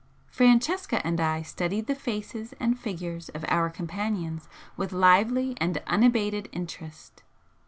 Francesca and I studied the faces and figures of our companions with lively and unabated interest.